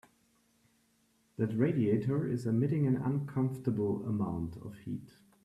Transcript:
That radiator is emitting an uncomfortable amount of heat.